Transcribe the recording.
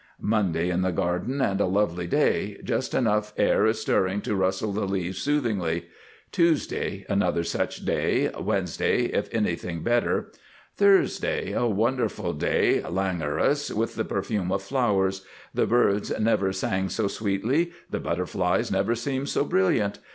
Monday in the Garden and a lovely day. Just enough air stirring to rustle the leaves soothingly. Tuesday, another such day. Wednesday, if anything better. Thursday, a wonderful day, languorous with the perfume of flowers. The birds never sang so sweetly, the butterflies never seemed so brilliant.